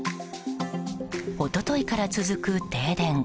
一昨日から続く停電。